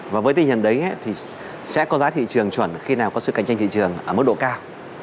và với tinh thần đấy thì sẽ có giá thị trường chuẩn khi nào có sự cạnh tranh thị trường ở mức độ cao